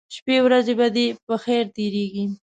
شپې ورځې به دې په خیر تیریږي